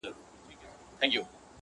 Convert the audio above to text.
ستا د مړو سترګو کاته زما درمان سي.